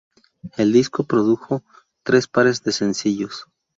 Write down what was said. El disco produjo tres pares de sencillos.